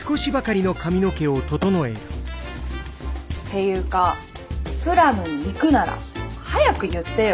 っていうかぷらむに行くなら早く言ってよ。